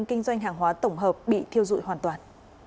kinh doanh hàng hóa tổng hợp bị thiêu dụi hoàn toàn